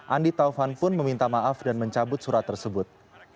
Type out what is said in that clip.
andi taufan pun meminta maaf dan mencabut surat tersebut